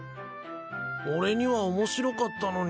俺には面白かったのに。